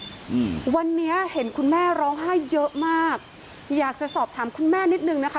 อืมวันนี้เห็นคุณแม่ร้องไห้เยอะมากอยากจะสอบถามคุณแม่นิดนึงนะคะ